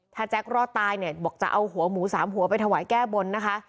ถ้าแจ็ครอดตายเนี่ยบอกจะเอาหัวหมูสามหัวไปถวายแก้บนนะคะ